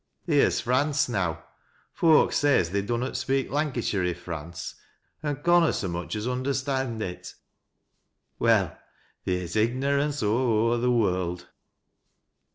Theer' s France now — foak say as they dunnot speak Lancashire i' France, an' conna so much as understand it. Well, tkeer's ignorance aw o'er th' world."